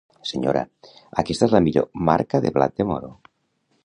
Senyora, aquesta és la millor marca de blat de moro.